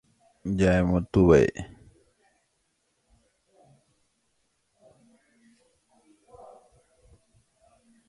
He also mentioned on a dedication at Bremenium, today High Rochester.